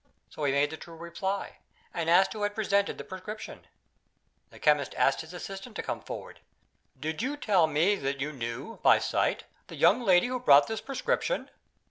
So he made the true reply, and asked who had presented the prescription. The chemist called to his assistant to come forward. "Did you tell me that you knew, by sight, the young lady who brought this prescription?"